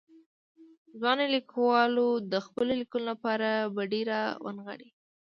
ځوانو ليکوالو د خپلو ليکنو لپاره بډې را ونغاړلې.